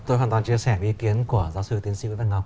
tôi hoàn toàn chia sẻ ý kiến của giáo sư tiến sĩ vĩ văn ngọc